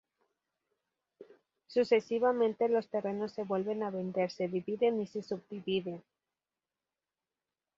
Sucesivamente los terrenos se vuelven a vender, se dividen y se subdividen.